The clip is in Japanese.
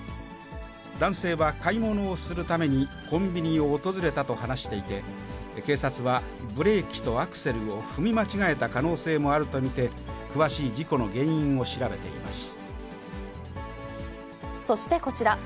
男性は買い物をするためにコンビニを訪れたと話していて、警察はブレーキとアクセルを踏み間違えた可能性もあると見て、そしてこちら。